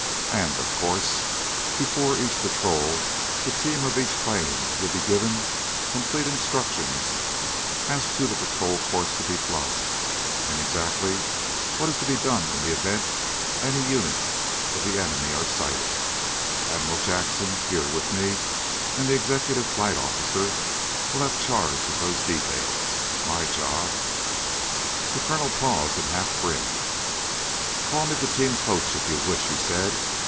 And, of course, before each patrol the team of each plane will be given complete instructions as to the patrol course to be flown, and exactly what is to be done in the event any units of the enemy are sighted. Admiral Jackson, here with me, and the executive flight officer, will have charge of those details. My job " The colonel paused and half grinned. "Call me the team coach, if you wish," he said.